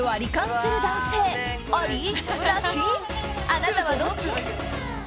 あなたはどっち？